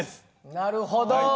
なるほど。